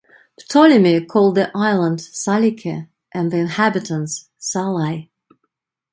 Ptolemy called the Island "Salike", and the inhabitants "Salai".